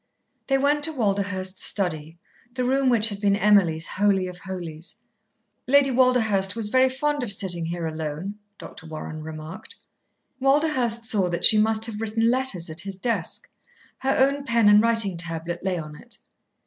They went to Walderhurst's study, the room which had been Emily's holy of holies. "Lady Walderhurst was very fond of sitting here alone," Dr. Warren remarked. Walderhurst saw that she must have written letters at his desk. Her own pen and writing tablet lay on it.